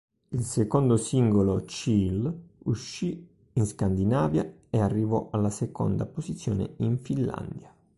Il secondo singolo "Chill" uscì in Scandinavia e arrivò alla seconda posizione in Finlandia.